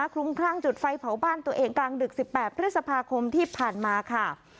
คลุมคร่างจุดไฟเผาบ้านตัวเองกลางดึกสิบแปบเพศภาคมที่ผ่านมาค่ะ